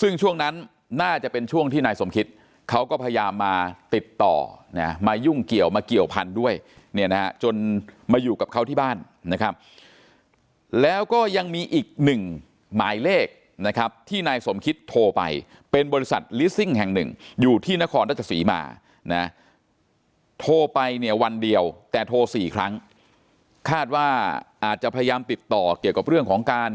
ซึ่งช่วงนั้นน่าจะเป็นช่วงที่นายสมคิตเขาก็พยายามมาติดต่อนะมายุ่งเกี่ยวมาเกี่ยวพันธุ์ด้วยเนี่ยนะจนมาอยู่กับเขาที่บ้านนะครับแล้วก็ยังมีอีกหนึ่งหมายเลขนะครับที่นายสมคิตโทรไปเป็นบริษัทลิสซิ่งแห่งหนึ่งอยู่ที่นครราชสีมานะโทรไปเนี่ยวันเดียวแต่โทร๔ครั้งคาดว่าอาจจะพยายามติดต่อเกี่ยวกับเรื่องของการ